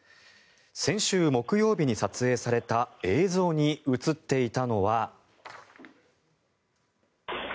先週木曜日に撮影された映像に映っていたのは。